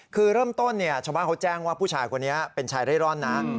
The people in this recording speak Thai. คือเริ่มต้นชามาเค้าแจ้งว่าพูดชายคนนี้เป็นชายไร่ร่อนน้าง